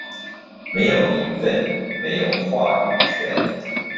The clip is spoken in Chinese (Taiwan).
沒有名份，沒有話語權